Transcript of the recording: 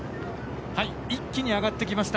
一気に上がってきました。